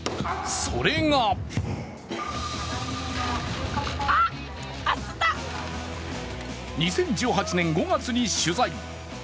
それが２０１８年５月に取材。